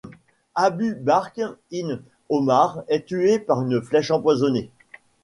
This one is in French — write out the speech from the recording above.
Abu Bakr Ibn Omar est tué par une flèche empoisonnée.